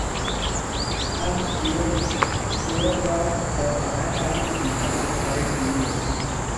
Hans-Jörg Kuebart war verheiratet und hatte drei Söhne.